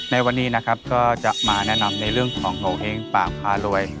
ในวันนี้นะครับก็จะมาแนะนำในเรื่องของโงเห้งป่าพารวย